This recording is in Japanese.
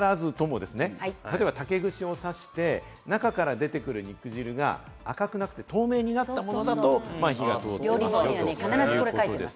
温度をはからずとも例えば竹串を刺して、中から出てくる肉汁が赤くなって透明になったものだと火が通っているということです。